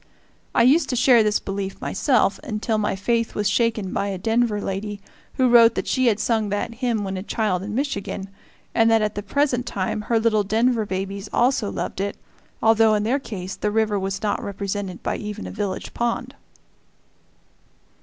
I used to share this belief myself, until my faith was shaken by a Denver lady who wrote that she had sung that hymn when a child in Michigan, and that at the present time her little Denver babies also loved it, although in their case the river was not represented by even a village pond.